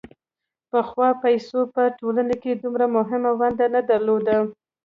پخوا پیسو په ټولنه کې دومره مهمه ونډه نه درلوده